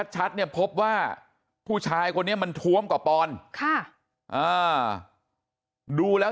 ชัดเนี่ยพบว่าผู้ชายคนนี้มันท้วมกว่าปอนค่ะอ่าดูแล้ว